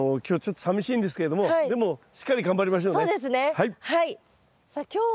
今日はちょっとさみしいんですけれどもでもしっかり頑張りましょうね。